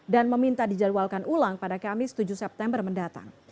dan meminta dijadwalkan ulang pada kamis tujuh september mendatang